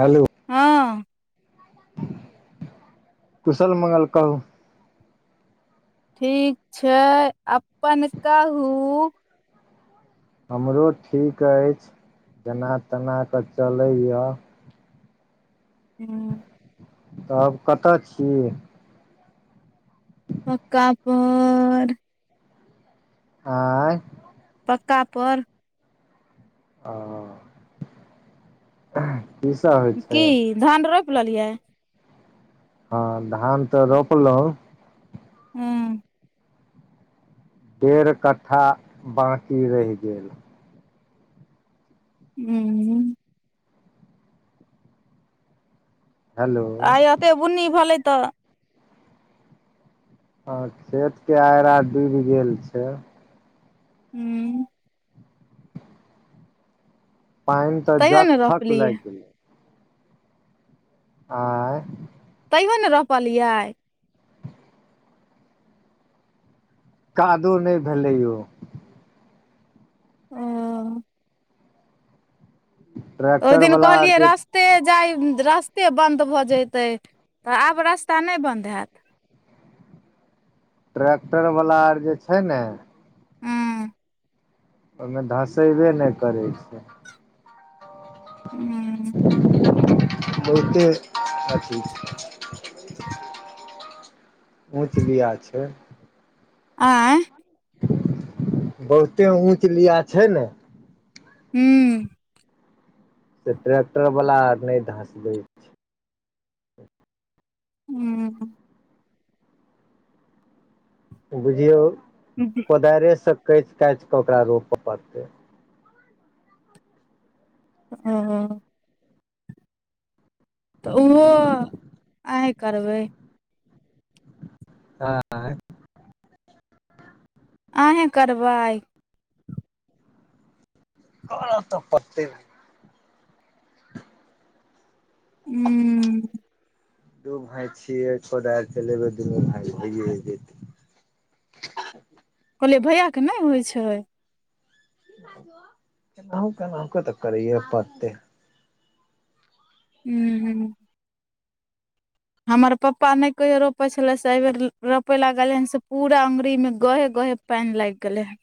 hello हँ कुशल मंगल कहू ठीक छै अपन कहू हमरो ठीक अछि जेना तेना कऽ चलैयै हू तब कतऽ छी पक्का पर आँ पक्का पर ओ की सब होइ छै की धान रोपि लेलियै हँ धान तऽ रोपलौं हँ डेढ़ कट्ठा बाकी रहि गेल हू हेलो आइ एते बुन्नी भेलै तऽ खेत के आइर आर डूबि गेल छै हूँ पानि तऽ तैयो जक ने थक रोपलियै लागि गेलै आंए तैयो ने रोपलियै कादो नहि भेलै यौ ओ ओहि ट्रैक्टर दिन वाला आर कहलियै जे रस ते जाय रस्ते बन्द भऽ जेतै तऽ आब रास्ता नहि बंन्द हैत ट्रैक्टर वला आर जे छै ने हूँ ओहिमे धसेबे नहि करै छै हू बहुते अथ ऊँच लिया छै आँय बहुते ऊँच लिया छै ने हूँ से ट्रैक्टर वाला आर नहि धसबै हू बुझियौ ज जी कोदारिसँ काँचि काचि कऽ ओकरा रोपय पड़तै ह तऽ ओहो अी करबै हँ अहीँ करबै कार तऽ पत्ते नहि ह हू दू भायई छियै कोदार चलेबै दुनू भाय भै जेतै कहलियै भैया के नहि होइ छै केनाहु केनाहुके तऽ करैए पड़तै हू हू हमर पप्पा नहि कहियो रोपै छलै से एहि बेर रोपय लागलै हन से पूरा अङ्गुरीमे गहे गहे पानि लागि गेलै ह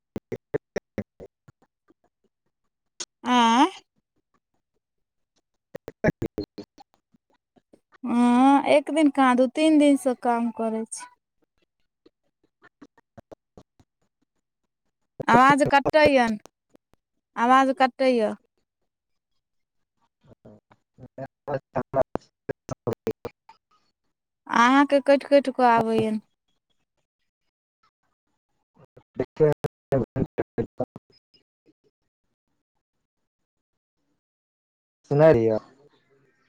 ह ह ह आँ [unintelligible] ह एक दिन कह दू तीन दिन से काम करै छी आवाज कटै यऽ ने आवाज कटै यऽ [unintelligible] अहाँके कटि कटि कऽ आबैया [inaudible] देख सुनारिय